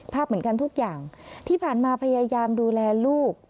ภาพเหมือนกันทุกอย่างที่ผ่านมาพยายามดูแลลูก